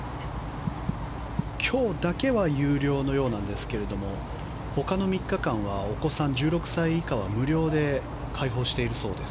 今日だけは有料のようなんですけれども他の３日間はお子さん、１６歳以下は無料で開放しているそうです